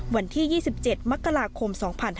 วันที่๒๗มกราคม๒๕๕๙